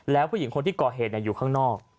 แล้วผู้หญิงคนที่ก่อเหตุอยู่ข้างนอก